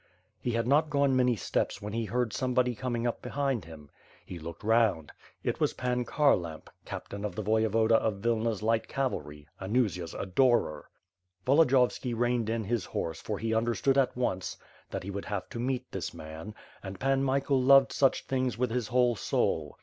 He had not gone many steps when he heard somebody coming up behind him. He looked round — ^it was Pan Kharlamp, Captain of the Voyevoda of Vilna's light cavalry, Anusia's adorer. Volo diyovski reined in his horse for he understood at once that he would have to meet this man; and Pan Michael loved such things with his whole soul.